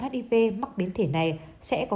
hiv mắc biến thể này sẽ có